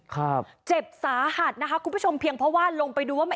ครับเจ็บสาหัสนะคะคุณผู้ชมเพียงเพราะว่าลงไปดูว่ามัน